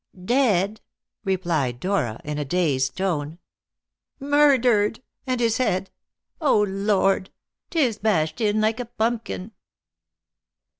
"Dead?" replied Dora in a dazed tone. "Murdered! And his head! O Lord! 'tis bashed in like a pumpkin!"